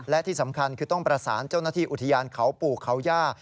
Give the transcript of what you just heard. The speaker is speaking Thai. และที่สำคัญคือต้องประสานเจ้าหน้าที่อุทยานเขาปู่เขาย่า